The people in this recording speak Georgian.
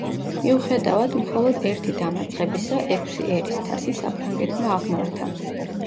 მიუხედავად, მხოლოდ ერთი დამარცხებისა, ექვსი ერის თასი საფრანგეთმა აღმართა.